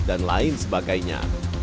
dan lain sebagainya